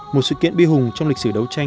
một sự kiện bi hùng trong lịch sử đấu tranh